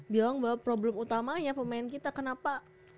bilang bahwa problem utamanya pemain kita kenapa